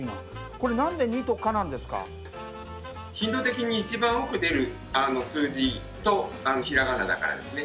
これ何で「２」と「か」なんですか？頻度的に一番多く出る数字とひらがなだからですね。